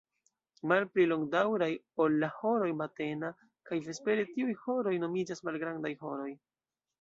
Malpli longdaŭraj ol la "horoj" matena kaj vespere, tiuj "horoj" nomiĝas malgrandaj "horoj".